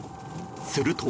すると。